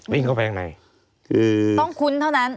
วิ่งเข้าไปยังไหน